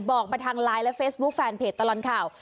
บอกมาทางไลน์และเฟซบุ๊คแฟนเพจตลอดข่าว